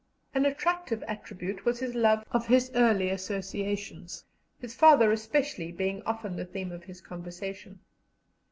An attractive attribute was his love of his early associations, his father especially being often the theme of his conversation.